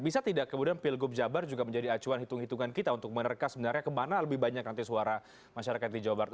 bisa tidak kemudian pilgub jabar juga menjadi acuan hitung hitungan kita untuk menerka sebenarnya kemana lebih banyak nanti suara masyarakat di jawa barat